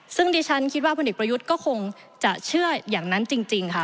ซึ่งดิฉันคิดว่าพลเอกประยุทธ์ก็คงจะเชื่ออย่างนั้นจริงค่ะ